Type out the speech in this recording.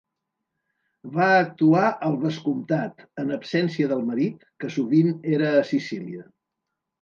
Va actuar al vescomtat, en absència del marit, que sovint era a Sicília.